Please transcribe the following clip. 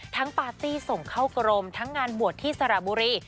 ปาร์ตี้ส่งเข้ากรมทั้งงานบวชที่สระบุรี